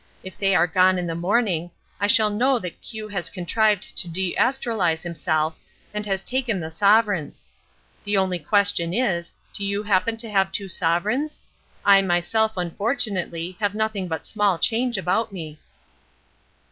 If they are gone in the morning, I shall know that Q has contrived to de astralise himself, and has taken the sovereigns. The only question is, do you happen to have two sovereigns? I myself, unfortunately, have nothing but small change about me."